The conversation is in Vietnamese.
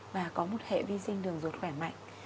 và có một hệ vi sinh đường ruột khỏe mạnh